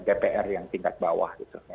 dpr yang tingkat bawah